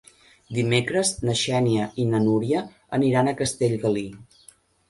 Dimecres na Xènia i na Núria aniran a Castellgalí.